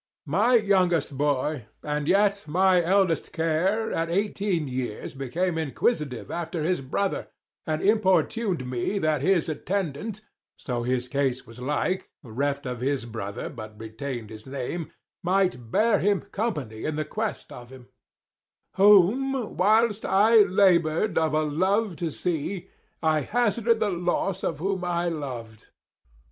Æge. My youngest boy, and yet my eldest care, 125 At eighteen years became inquisitive After his brother: and importuned me That his attendant so his case was like, Reft of his brother, but retain'd his name Might bear him company in the quest of him: 130 Whom whilst I labour'd of a love to see, I hazarded the loss of whom I loved.